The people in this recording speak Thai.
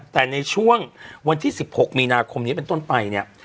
แต่ในช่วงวันที่๑๖มีนาคมนี้เป็นต้นไปเนี่ย